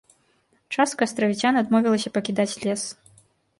Частка астравіцян адмовілася пакідаць лес.